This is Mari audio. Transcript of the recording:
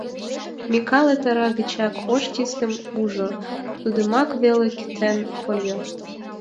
Микале тора гычак ош тистым ужо, тудымак веле кӱтен тольо.